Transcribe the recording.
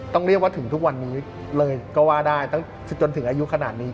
ต้องเรียกว่าถึงทุกวันนี้เลยก็ว่าได้ตั้งจนถึงอายุขนาดนี้